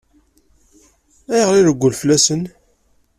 Ayɣer i ireggel fell-asen?